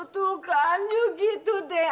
tuh tuh kayu gitu deh